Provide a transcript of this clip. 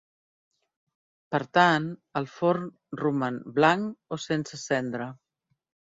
Per tant, el forn roman "blanc" o sense cendra.